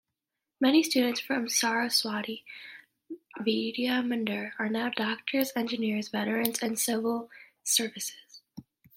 Many students from Saraswati Vidya Mandir are now doctors, engineers, veterans, and civil services.